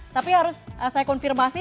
tapi harus saya konfirmasi